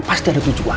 pasti ada tujuan